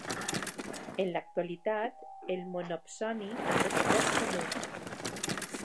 En l'actualitat, el monopsoni és poc comú.